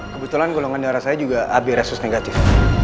kebetulan golongan darah saya juga ab resus negatif